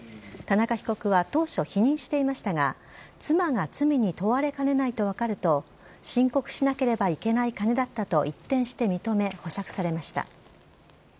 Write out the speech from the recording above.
田中被告は当初、否認していましたが、妻が罪に問われかねないと分かると、申告しなければいけない金だったと一転して認め、保釈されました。